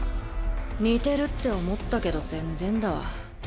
似てるって思ったけど全然だわ。